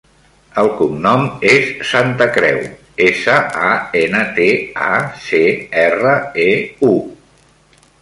El cognom és Santacreu: essa, a, ena, te, a, ce, erra, e, u.